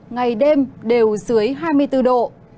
ngày đêm đều dưới hai mươi bốn độ